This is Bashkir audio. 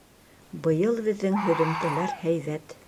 Быйыл беҙҙең һөҙөмтәләр һәйбәт.